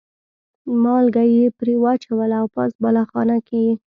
مالګه یې پرې واچوله او پاس بالاخانه کې یې.